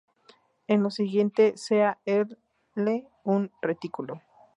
En lo siguiente, sea "L" un retículo.